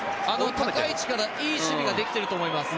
高い位置でいい守備ができていると思います。